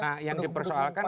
nah yang dipersoalkan kan